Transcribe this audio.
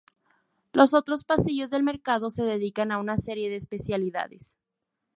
Los otros pasillos del mercado se dedican a una serie de especialidades.